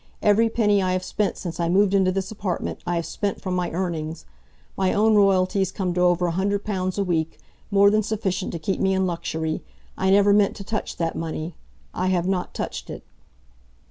Every penny I have spent since I moved into this apartment, I have spent from my earnings. My own royalties come to over a hundred pounds a week more than sufficient to keep me in luxury. I never meant to touch that money. I have not touched it."